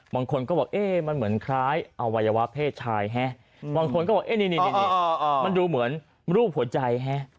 บางคนก็บอกเอ๊ะมันเหมือนคล้ายอวัยวะเพศชายฮะบางคนก็บอกนี่มันดูเหมือนรูปหัวใจฮะ